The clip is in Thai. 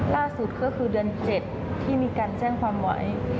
ล่าสุดก็คือเดือน๗ที่มีการแจ้งความไว้